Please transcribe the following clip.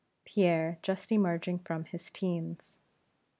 PIERRE JUST EMERGING FROM HIS TEENS.